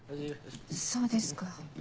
そうですか。